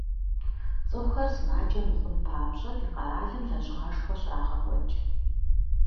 ЦӀыхухэр сымаджэ мыхъун папщӀэ, ди къэралым лэжьыгъэшхуэ щрагъэкӀуэкӀ.